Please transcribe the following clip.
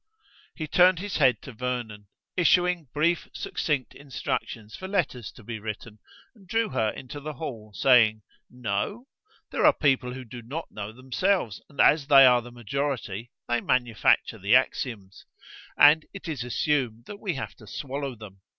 He turned his head to Vernon, issuing brief succinct instructions for letters to be written, and drew her into the hall, saying: "Know? There are people who do not know themselves and as they are the majority they manufacture the axioms. And it is assumed that we have to swallow them.